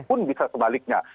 pun bisa sebaliknya